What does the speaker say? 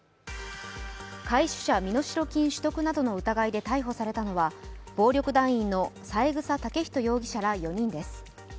拐取者身代金取得などの疑いで逮捕されたのは、暴力団員の三枝丈人容疑者ら４人です。